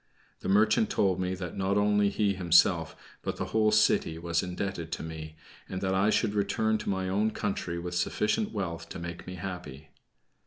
The merchant told me that not only he himself, but the whole city, was indebted to me, and that I should return to my own country with sufficient wealth to make me happy.